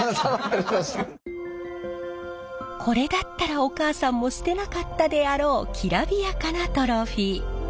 これだったらお母さんも捨てなかったであろうきらびやかなトロフィー。